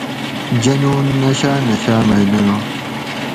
جنون نشاۤ نشاۤ مئ لنگائ